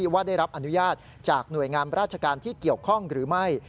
ว่าได้รับอนุญาตจากหน่วยงามราชการที่เกี่ยวข้องหรือไม่